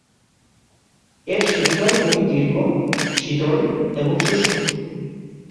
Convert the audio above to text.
এর শীতকাল খুবই দীর্ঘ, শীতল এবং শুষ্ক।